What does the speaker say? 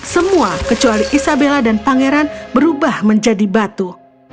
semua kecuali isabella dan pangeran berubah menjadi batu